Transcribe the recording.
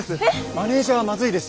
マネージャーはまずいです。